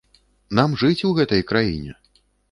Нам жыць у гэтай краіне!